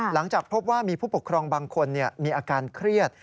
หลังจากพบว่ามีผู้ปกครองบางคนมีอาการเครียด